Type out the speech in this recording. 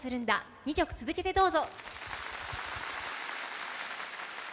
２曲続けてどうぞ。